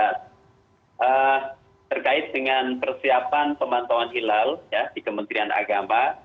terkait dengan persiapan pemantauan hilal di kementerian agama